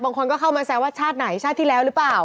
คนก็เข้ามาแซวว่าชาติไหนชาติที่แล้วหรือเปล่า